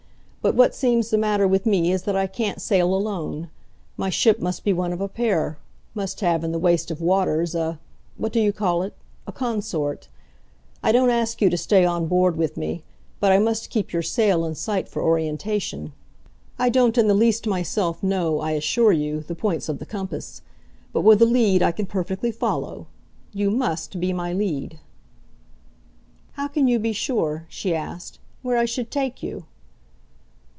But what seems the matter with me is that I can't sail alone; my ship must be one of a pair, must have, in the waste of waters, a what do you call it? a consort. I don't ask you to stay on board with me, but I must keep your sail in sight for orientation. I don't in the least myself know, I assure you, the points of the compass. But with a lead I can perfectly follow. You MUST be my lead." "How can you be sure," she asked, "where I should take you?"